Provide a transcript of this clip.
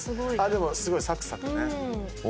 でもすごいサクサクね。